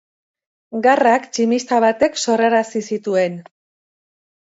Garrak tximista batek sorrarazi zituen.